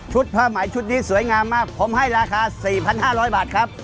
ผ้าไหมชุดนี้สวยงามมากผมให้ราคา๔๕๐๐บาทครับ